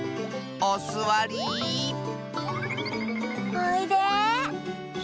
おいで。